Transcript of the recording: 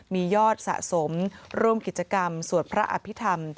มียอดสะสมร่วมกิจกรรมสวดพระอภิษฐรรม